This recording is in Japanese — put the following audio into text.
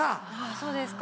そうですか。